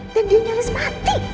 dan dia nyaris mati